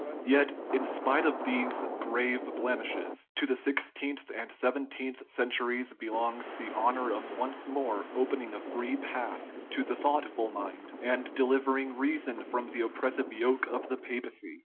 Yet, in spite of those grave blemishes, to the sixteenth and seventeenth cen turies belongs the honor of once more opening a free path to the thoughtful mind, and delivering reason from the oppressive yoke of the papacy.